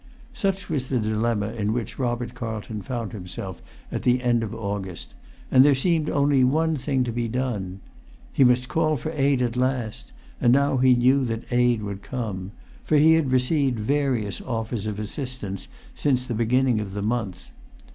Such was the dilemma in which Robert Carlton found himself at the end of August, and there seemed only one thing to be done. He must call for aid at last, and now he knew that aid would come, for he had received various offers of assistance since the beginning of the month.